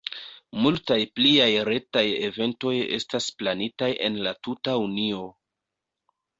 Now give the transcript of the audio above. Multaj pliaj retaj eventoj estas planitaj en la tuta Unio.